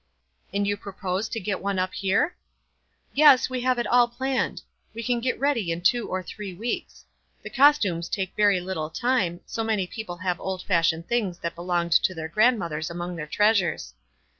"And you propose to get one up here?" "Yes, we have it all planned. We can get ready in two or three weeks. The costume^ will take very little time, so many people have old fashioned things that belonged to their grandmothers among their treasures.